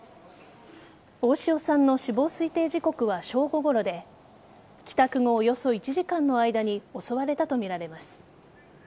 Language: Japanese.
大塩さんの死亡推定時刻は正午ごろで帰宅後およそ１時間の間に襲われたとみられます。